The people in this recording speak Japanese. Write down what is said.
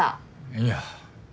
いや。